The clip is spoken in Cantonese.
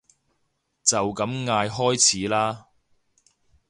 就咁嗌開始啦